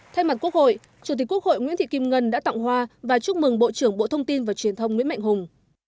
thay mặt quốc hội chủ tịch quốc hội nguyễn thị kim ngân đã tặng hoa và chúc mừng bộ trưởng bộ thông tin và truyền thông nguyễn mạnh hùng